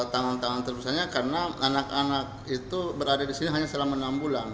tangan tangan terbesarnya karena anak anak itu berada di sini hanya selama enam bulan